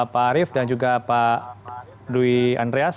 pak arief dan juga pak dwi andreas